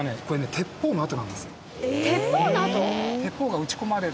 鉄砲の痕！？